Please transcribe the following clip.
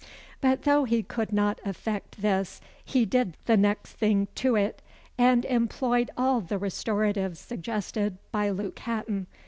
But though he could not effect this, he did the next thing to it, and employed all the restoratives suggested by Luke Hatton.